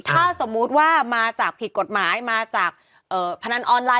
ถ้าสมมุติว่ามาจากผิดกฎหมายมาจากพนันออนไลน